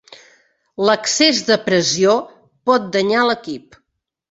L'excés de pressió pot danyar l'equip.